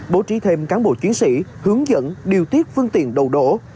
bố trí thêm cán bộ chiến sĩ hướng dẫn điều tiết phương tiện đầu đổ